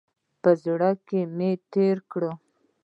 په زړه کې مې تېره کړه.